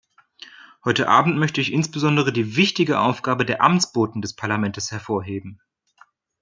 Heute Abend möchte ich insbesondere die wichtige Aufgabe der Amtsboten des Parlaments hervorheben.